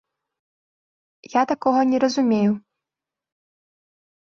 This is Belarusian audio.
Я такога не разумею.